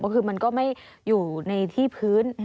คือมันก็ไม่อยู่ในที่พื้น